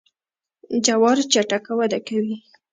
جوار چټک وده کوي.